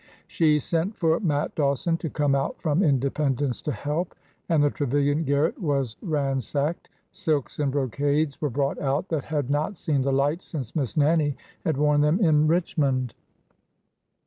She sent for Matt Dawson to come out from Independence to help, and the Trevilian garret was ransacked. Silks and brocades were brought out that had not seen the light since Miss Nannie had worn them in Richmond.